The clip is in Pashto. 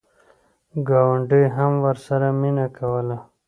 ګاونډي هم ورسره مینه کوله.